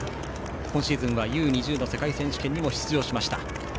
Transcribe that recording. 今シーズンはＵ−２０の世界選手権にも出場しました。